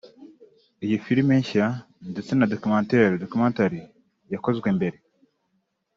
iyi film nshya ndetse na documentaire/documentary yakozwe mbere